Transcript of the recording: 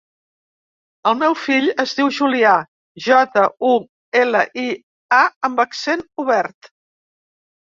El meu fill es diu Julià: jota, u, ela, i, a amb accent obert.